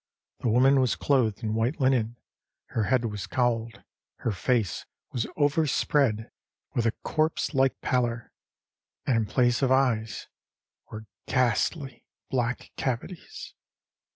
The woman was clothed in white linen; her head was cowled; her face was overspread with a corpse like pallor, and in place of eyes were ghastly black cavities.